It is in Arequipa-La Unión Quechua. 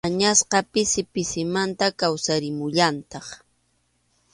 Añasqa pisi pisimanta kawsarimullantaq.